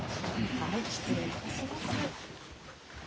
はい失礼いたします。